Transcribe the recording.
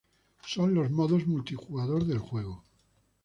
Son los modos multijugador del juego.